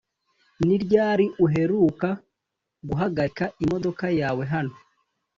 ni ryari uheruka guhagarika imodoka yawe hano?